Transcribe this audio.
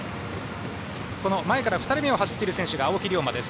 前から２人目を走っているのが青木涼真です。